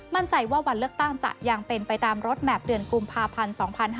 มั่นใจว่าวันเลือกตั้งจะยังเป็นไปตามรถแมพเดือนกุมภาพันธ์๒๕๕๙